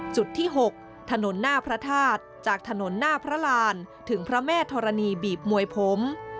จุดที่๖ถนนหน้าพระธาตุจากถนนหน้าพระรานถึงพระแม่ธรณีบีบมวยผม